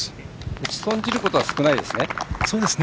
打ち損じることは少ないですね？